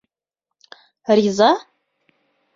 Риза?